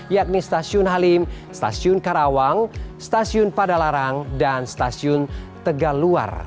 yakni stasiun halim stasiun karawang stasiun padalarang dan stasiun tegaluar